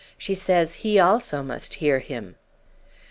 She says he also must hear him.